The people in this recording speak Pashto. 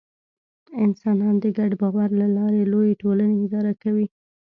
انسانان د ګډ باور له لارې لویې ټولنې اداره کوي.